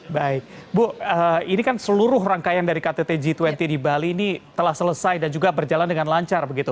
baik bu ini kan seluruh rangkaian dari ktt g dua puluh di bali ini telah selesai dan juga berjalan dengan lancar begitu